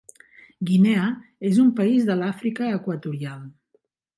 Guinea és un país de l'Àfrica equatorial.